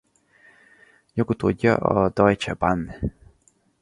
Jogutódja a Deutsche Bahn.